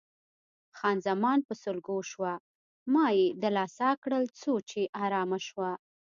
خان زمان په سلګو شوه، ما یې دلاسا کړل څو چې آرامه شوه.